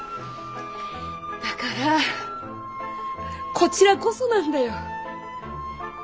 だからこちらこそなんだよ！